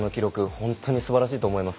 本当にすばらしいと思います。